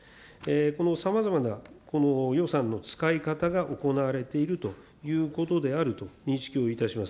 このさまざまなこの予算の使い方が行われているということであると認識をいたします。